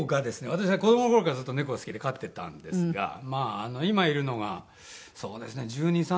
私は子どもの頃からずっと猫が好きで飼ってたんですが今いるのがそうですね１２１３年前かな。